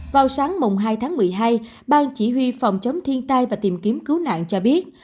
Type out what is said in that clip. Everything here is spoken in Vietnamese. vào sáng hai tháng một mươi hai ban chỉ huy phòng chống thiên tai và tìm kiếm cứu nạn cho biết